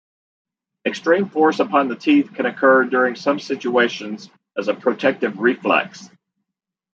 Extreme force upon the teeth can occur during some situations as a protective reflex.